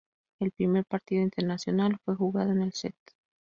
El primer partido internacional fue jugado en el St.